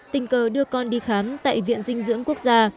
tình cờ đưa con đi khám tại viện dinh dưỡng quốc gia